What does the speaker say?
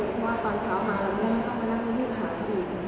เพราะว่าตอนเช้ามาเราจะไม่ต้องมานั่งรีบหาคนอื่น